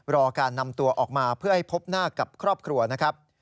รอการนำตัวออกมาเพื่อให้พบหน้ากับครอบครัวนะครับ